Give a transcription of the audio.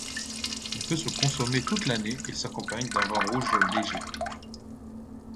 Il peut se consommer toute l'année et s'accompagne d'un vin rouge léger.